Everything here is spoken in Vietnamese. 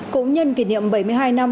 cũng nhân kỷ niệm bảy mươi hai năm